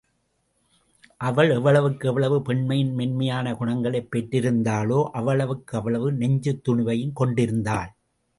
அவள் எவ்வளவுக்கு எவ்வளவு பெண்மையின் மென்மையான குணங்களைப் பெற்றிருந்தாளோ அவ்வளவுக் கவ்வளவு நெஞ்சுத் துணிவையும் கொண்டிருந்தாள்.